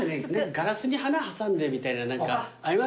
ガラスに花挟んでみたいなありますよね？